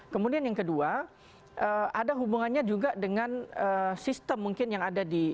kemudian yang kedua ada hubungannya juga dengan sistem mungkin yang ada di